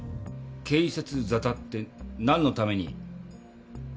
警察ざたってなんのために？